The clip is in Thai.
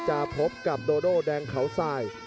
จะพบกับโดโดแดงเขาสาย